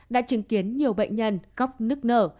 đã chứng kiến nhiều bệnh nhân góc nức nở